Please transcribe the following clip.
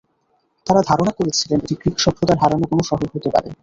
তাঁরা ধারণা করছিলেন, এটি গ্রিক সভ্যতার হারানো কোনো শহর হতে পারে।